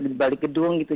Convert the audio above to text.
di balik gedung gitu